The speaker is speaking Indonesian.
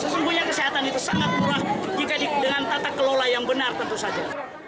sesungguhnya kesehatan itu sangat murah jika dengan tata kelola yang benar tentu saja